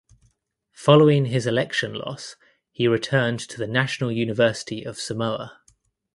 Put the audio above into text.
Following his election loss he returned to the National University of Samoa.